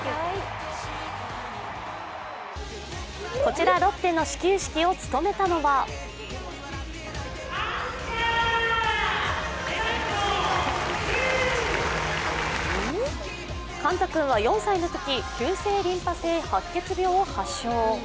こちら、ロッテの始球式を務めたのはＫＡＮＴＡ君は４歳のとき急性リンパ性白血病を発症。